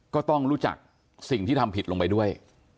ก็ต้องรู้จักสิ่งที่ทำผิดลงไปด้วย